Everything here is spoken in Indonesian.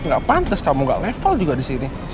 nggak pantas kamu gak level juga di sini